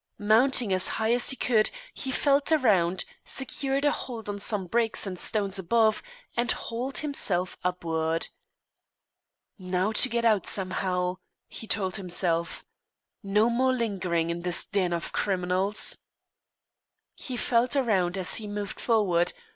Mounting as high as he could, he felt around, secured a hold on some bricks and stones above, and hauled himself upward. "Now to get out somehow!" he told himself. "No more lingering in this den of criminals!" He felt around, as he moved forward.